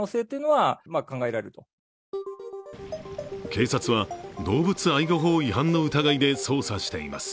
警察は、動物愛護法違反の疑いで捜査しています。